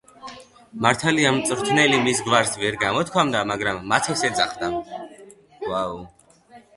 მართალია, მწვრთნელი მის გვარს ვერ გამოთქვამდა, მაგრამ მათეს ეძახდა.